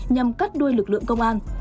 nhằm cắt đuôi lực lượng công an